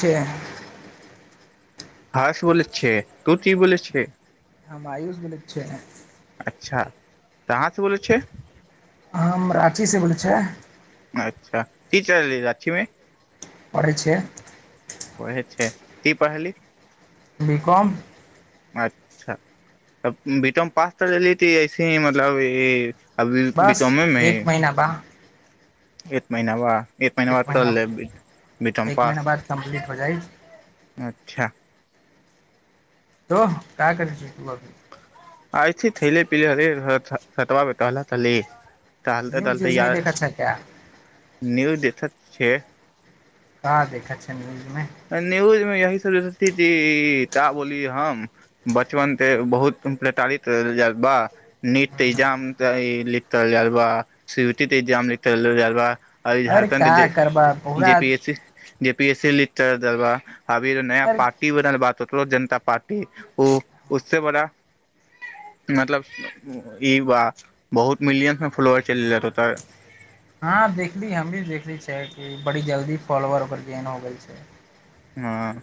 के हर्ष बोले छे तु की बोले छे हम्म आयुस बोलै छै अच्छा कहासे बोलै छी हम राँची सँ बोलै छै अच्छा ती तललीय जाछीमे पढ़ै छियै पढे छी की पढेली बी कम अच्छा त बीटम पास त ली ती ऐसे ही मतलब ई ई अभी बी बस कमे मे ही एक महीना बा एक महिना बा एक महिना बाद कअ लेब बी कॉम एक महीना पास बाद कम्प्लीट हो जाइ अच्छा तो क करै छी तू ब आइ छी खाइले पियल छतबा पे टहलत रही चलत न्यूज चलते व्यूज य नहि देखै छै क्या न्यूज दतत छ का देखा छै नियुज मे यही सरस्वती जी ता बोली हम बचपन ते बहुत प्रताड़ित रहल जाय बा नीट एग्जाम लिख जा बा स एग्जाम लिख जा बा आर अरे झारखंड का करबा ज पूरा P S C J P S L दलव अभी नय अरे पार्टी बनल बा ककरोच जनता पार्टी ओ उस बड़ा मतलब ई बहुत मिलियन्स मे फलोर चल हँ देखली हमह देखली छै कि बड़ी जल्दी फॉलोवर ओकर गेन हो गेल छै हँ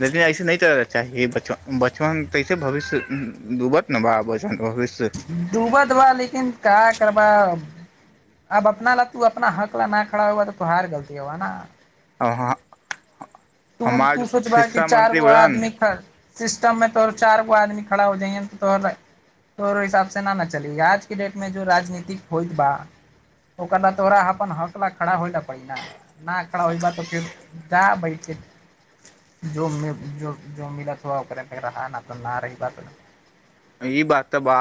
लेकिन ऐसे नहि कर चाही बचपन तऐसे भविष्य ूबत ने ब बच भिष्य डूब देबा लेकिन क करबा अब अपना ल तू अपना हक ल नहिा खड़ा हुा तऽ त हार गलती हुा ने आहाँ तू तू सोचबा कि चार गो आदमी खा सिस्टममे तोहर चारि गो आदमी खड़ा हो जाइय तऽ तोहरा तोरो हिसाबसँ नहि न चलै आजके डेटमे जो राजनीतिक होइत बा ओकर लऽ तोरा अपन हौसला खड़ा होइ ल पड़ै न न खड़ा होय बा तऽ फेर जा बैठ ज जो मिलत हुआ ओकरे त रहा न तऽ न रही बात ई बात तऽ ब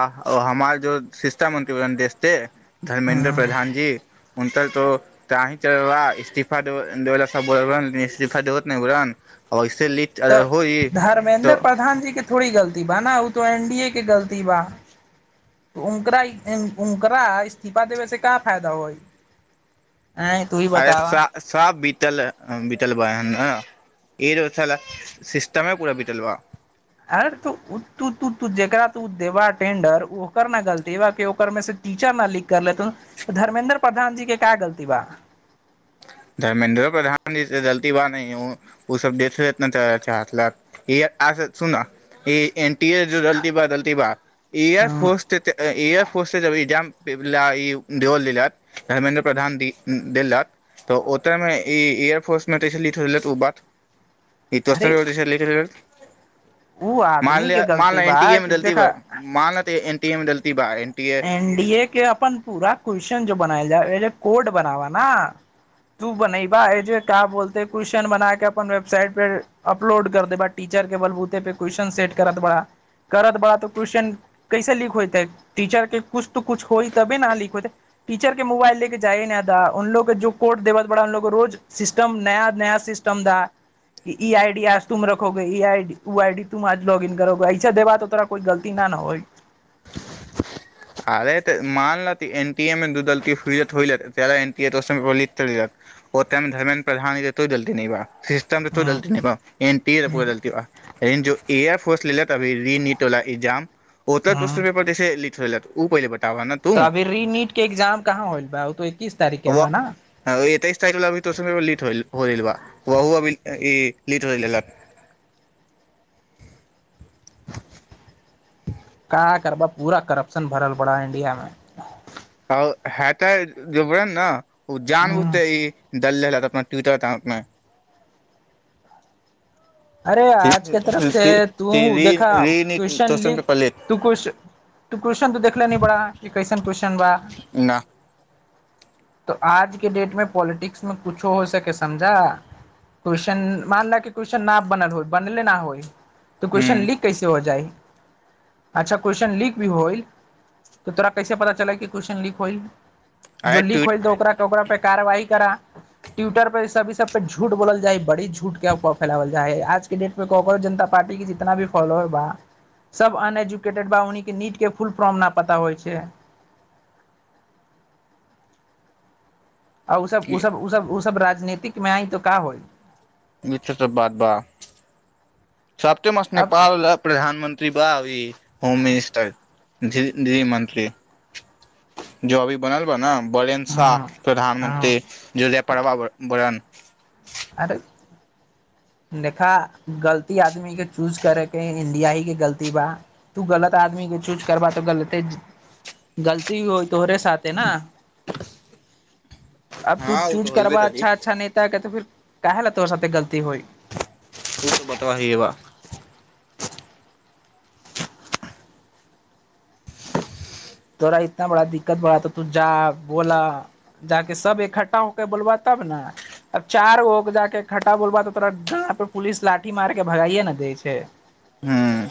हमार जो शिक्षा मंत्री देशे धर्मेेन्द्र ह प्रधान जी ो तीला इस्तीफा देो इस्तीफा दे [unintelligible] तऽ धर्मेेन्द्र प्रधान जी के थोड़ी गलती बा ना तो एन डी ए के गलती बा उकरा इस्तीफा देबे से का फायदा होइ अरे सब बीतल बीतल बाय ह ईरोसल सिस्टममे कूरा बिटलव अ त त जेकरा तू देबा टेंडर ओकर न गलतीा ओकर मे से टीचर न लिख कर लेत ह त धर्मेेन्द्र प्रधान जी के का गलती बा धर्मेेन्द्र प्रधान जी गलती बा नहि ह ओ सब देखतना च छै सुना लती बा लती बा एयर फोर्स एयर फोर्स जबजाम पला ई दोल दथि धर्मेन्द्र प्रधान देलथि तऽ ओतयमे ई एयरफोर्समे तऽसी ओ बात ईत अरे वस्तद अ उ मान आदमी के ल मान गलती बा एनटीए मे कि दलती ब देखा मानल तऽ एनटीए मे दलती बा T A N D A के अपन पूरा क्वेेश्चन जो बनाल जा कोड बनाबा न तू बने बाज का बोलतेै क्वेेश्चन बना के अपन वेबसाइट पे अपलोड कर देबा टीचर के बलबूते पे क्वेशन सेट करत बड़ा करत बड़ा त क्वेेश्चन कैसे लीक होयतै टीचर के कुछ तऽ कुछ होइ तबे न लिक हाइते टीचर के मोबाइल ले के जाइ न द उनलोग के जो कोड देब त बड़ा उनलोग रोज सिस्टम नया नया सिस्टम दा कि ई आई डी आज तुम रखोगे ई ईडी ऊ आई डी तुम आज लॉग इन करोगे ऐसा देबा तऽ तोरा कोई गलती न ने होय अरे त मानल एन टी ए मे दू दलतीनी ओे मे धर्मेन्द्र प्रधान तो दलती बा सिस्टम तऽ हूं दलती नहिब एन टी रप दलतीियोऽ रिन जो एयर फोर्स लेले त अभी री न टोला ई जाम ओकर हूं क्वेश्चन लीख लेलक ओ पहिल ब तऽ अभी रीनीट के एग्जाम कहाँ होल बा त इीस तारीख के व बा ने होइ ल बा वाह अभी ई लीट होल कहाँ करबा पूरा करप्शन भरल पड़ा इंडिया मे ओ हैते जबरन न उ जान ह बुझतै ई दल अपना टविट्टर त नैय अरे आजके तरफ से तू देखा क्वेश्चन रीनिटोशन लिख पे पलेट तू कुश तू क्वेश्चन त देखले नी पड़ा कि कैसन क्वेश्चन बा ना तऽ आजके डेटमें पॉलिटिक्स मे कुछो हो सके समझा क्वेश्चन मानल कि क्वेश्चन न बनल होइ बनले ना होइ त क्वेेश्चन हूँ लिक कैसे हो जाई अच्छा क्वेश्चन लीक भी होइल त तोरा कैसे पता चलै कि क्वेश्चन लीक होइल आइ जुल्ली ट्वीट खोल द ओकरा ओकरा पर कार्रवाही करा ट्विटर पर सभ सबपे झूठ बोलल जाइ बड़ी झूठ छूट क प जा है आजके देटमे क जनता पार्टी के जितना भी फॉलोर बा सब अन एजुकेटेड बा उन्हि के नीट के फुल फॉर्म न पता होइ छै आ ऊ सब ऊ सब ऊ सब ऊ सब राज्य राजनीतिक मे आइ त का होइ मिेसँ बाद बाह सप्ते मस्त अब नेपाल प्रधानमंत्री बावी होम मिनिस्टर जी जी मन्त्री जो अभी बनल बा न बलेन शाह हँ प्रधानमन्त्री हँ जलिया प्रवा वरन अरे देखा गलती आदमी के चूज करेके इंडिया के गलती बा तू गलत आदमी के चूज करबा तऽ गलते गलती हो तोहरे साथे न अब तू हँ ओ तऽ चूज होबे करबा करी ओ अच्छा अच्छा नेता के तऽ फिर काहे ल तोरा साथे गलती होइ ओ त बतबा हिये बा तोरा इतना बड़ा दिक्कत बड़ा तऽ तू जा बोला जाक सब इकठ्ठा होके बोलबा तब ने अब चार गो जाक इकठ्ठा बोलबा तऽ तोरा गार पे पुलिस लाठी मार के भगाए न दै छै ह्म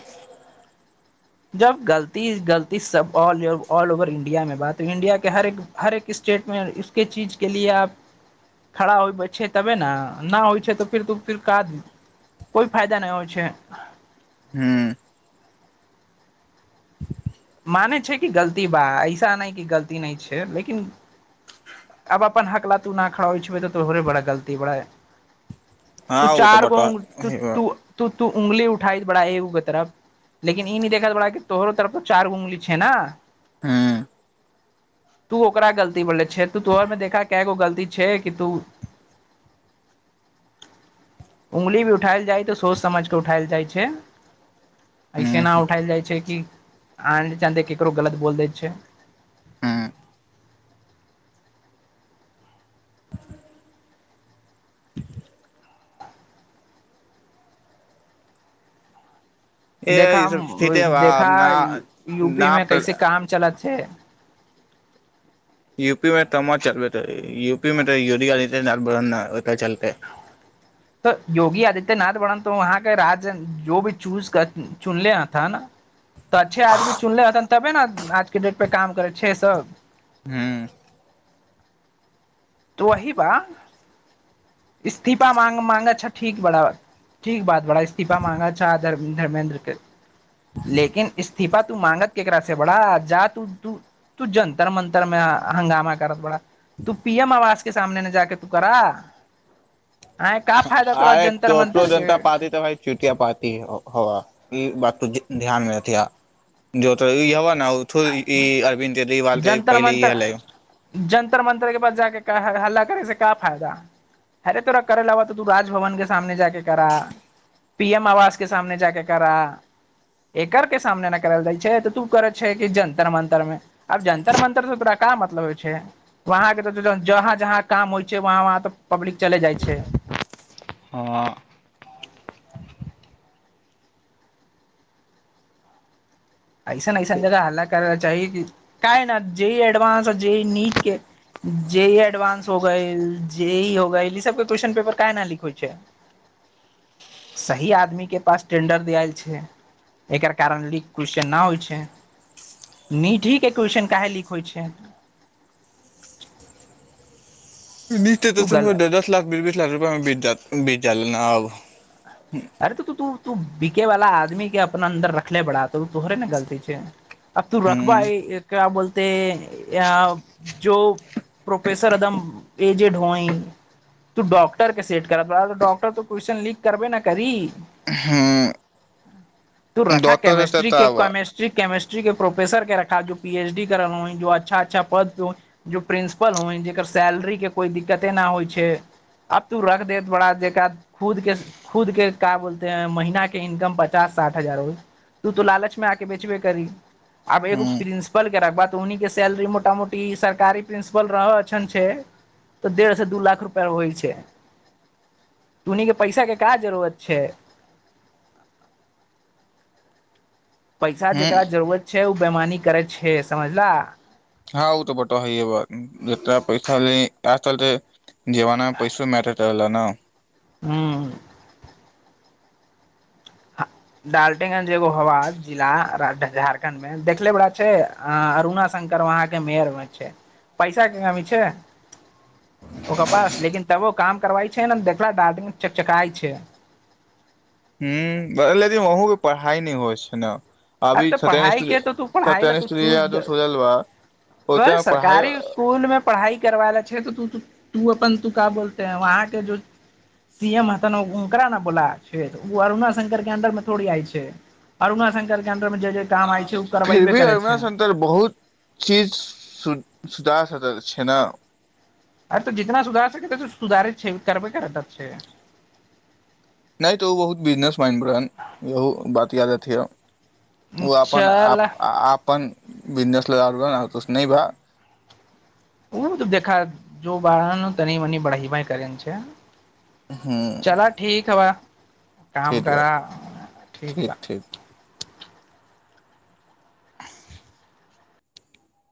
जब गलती गलती सबऑल ओवर इंडिया मे बात हो इंडिया के हर हर एक स्टेट मे इसके चीज के लए आप खड़ा होए बचे तबे न नहि होइ छै तऽ फेर तू फिर कात कोइ फायदा नहि होइ छै हूँ माने छै कि गलती बा ऐसा नहि कि गलती नहि छै लेकिन आब अपन हकला तू न खड़बै छै तऽ तोरे बड़ा गलती बड़ा तू हँ ओ तऽ चार गो बतबा तु हइए बा तु तु तू उंगली उठाई बड़ा एगो के तरफ लेकिन ईह देखल बड़ा कि तोहरो तरफ तो चारगो उंगली छै न ह्म तू ओकरा गलती बोले छे तोहर मे देखा कैगो गलती छै कि तू उंगली भी उठायल जाइ त सोच समझ के उठायल जाइ छै ऐसे न हूँ उठायल जाइ छै कि आ चदे केकरो गलत बोल दै छै हूँ ए देखा ई सब ठीके बा देखा ना यू पी ना मे प्र कैसे काम चलछे यूपी में तमा चलबटै यू पी मे त योगी आदित्य रबर ने ओत चलतै तऽ योगी आदित्यनाथ वर्न त वहाँके राज जो भी चूज चुन लेहथ न तऽ अच्छे आदमीु नले हतन तबे ने आजके डेट पे काम करै छै सब ह्म तो वही बा इस्तीफा मा माँंग अच्छा ठीक बराबर ठीक बात बड़ा इस्तीफा माँगा छा धैर्मेन्द्र के लेकिन इस इस्तीफा तू मांगत केकरा से बड़ा जा तू तू तू जंतर मंतर मे हंगामा करत बड़ा तुऽ आवास के सामने ने जाक तू करा आय का फायदा तोरा अरे तो तो जंतर कॉकरोच मंतर जनता के पार्ती तऽ भाय चुतिया पार्ती हबअ ई बात त ध्यान मे रखिय जो तो इहबन ई अरविन्द जज [unintelligible] वालते जंतर पहिले ही मंतर हलै [unintelligible] जंतर मंतर के पास जाक हल्ला करे से का फायदा हेरे तोरा करे ल ब तऽ तू राजभवन के सामने जाक करा पी एम आवास के सामने जाक करा एकर के सामने ने करल रहै छै तऽ तू करे छै कि जंतर मंतर मे आब जंतर मंतर त तोड़ का मतलब होइ छै वहाँं जहाँ जहाँ काम होइ छै वहाँ वहाँ त पब्लिक चले जाइ छै हअ ऐसन ऐसन जगह हल्ला करल चाही क न जे इ एडवानंस जे इ नीट के जे इएडवानंस हो गैल जे ई हो गैल ई सब के क्वेशन पेपर क न लिक होइ छै सही आदमी के पास टेंडर दियाल छै एकर कारण ल कोश्चन ना होई छैय नीट ही के कोश्चन काहे लीक होइ छै निट के तू गल कोइशचाऽ ती दश ला बीसीस लख रुपआमे बीत जात [unintelligible] भी चलना आब अरे तऽ तू तू तू बिके वाला आदमी के अपना अन्दर रखले बड़ा त तोहरे ने गलती छै अब तू रखबा क्य बोलते या जो प्रोफेसर एकदम एजेड होई तू डाॅक्टर के सेट कर पड़ डाॅक्टर त क्वसच्न लिक करबे न करी ह तू रखा दोतर त केमिस्ट्री के तब केमिस्ट्री केमिस्ट्री प्रोफेसर के र पी एचडी करै ज अच्छा अच्छा पद जो प्रिंसिपल हाइ जेकर सैलरी के कोई दिक्कते न होइ छै अब तू रख देत बड़ा जेका खुद के खुद के का बोलते है महीना के इनकम पचास साठ हजार हो उ तो लालच मे आके बेचबे करी आब ह एगो प्रिंसिपल के रखब उन् के सैलरी मोटा मोटी सरकारी प्रिंसिपल रह छन छेऽ डेढ़ से दू लाख रुपा होइ छै उनी के पैसा के का जरूरत छै पैसा ह जेकरा जरूरत छै ओ बेैमानी करै छै हे समझला हँ ओ तऽ बतबा हइये बा जेतना पैसा मे यैह चलते जीवना मे पैसो मैटर करैला ना ह्म [unintelligible] ह्म लेकिन ओहूं क पढ़ाई नहि होइ छै ना अरे तो पढ़ाई के त तू पढ़ाई ल तू स्टूडियो चूज यादव सोलल बा ओते मे पढ़ाई सरकारी स्कूल मे पढ़ाई करवायले छै तू अपन तू का बोलते है वहाँ के जो सी एम ह ओकरा ने बोला छै ओ अरुणा शंकर के अन्दर मे थोड़ी आइ छै अरुणा शंकर के अंडर मे जे जे काम आय छै ओ फिर करबेबे भी करे अरुणा छै शंकर बहुत चीज सु सुधार सकैत छै ने अरे तऽ जितना सुधार सकै तै त सुधारैत छै करबे करत छै नहि तऽ ओ बहुत बिजनेस माइंड रहन [unintelligible] ओ आपन आप चल आपन बिजनेस ल आ [unintelligible] नहि भा ओ त देखा जो बाह तनि मनी बढ़ाईबै करै छै ह चलय ठीक बा काम ठीक बा करा ठीक बा